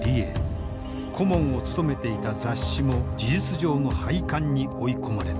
顧問を務めていた雑誌も事実上の廃刊に追い込まれた。